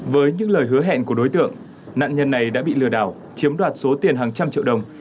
với những lời hứa hẹn của đối tượng nạn nhân này đã bị lừa đảo chiếm đoạt số tiền hàng trăm triệu đồng